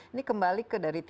ini kembali ke dari